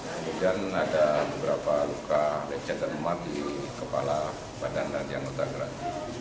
kemudian ada beberapa luka lecet dan memar di kepala badan dan yang notar gratis